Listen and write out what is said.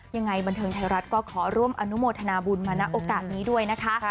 ยังไงบันเทิงไทยรัฐก็ขอร่วมอนุโมทนาบุญมาณโอกาสนี้ด้วยนะคะ